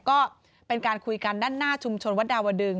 ก็เป็นการคุยกันด้านหน้าชุมชนวัดดาวดึง